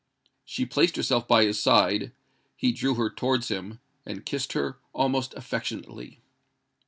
She placed herself by his side; he drew her towards him—and kissed her almost affectionately.